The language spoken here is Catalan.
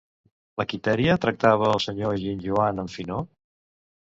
La Quitèria tractava el senyor Ginjoan amb finor?